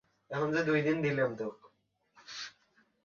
বিভিন্ন যন্ত্র কৌশলের উপর ভিত্তি করে এই গতি তৈরি করা হয়েছে।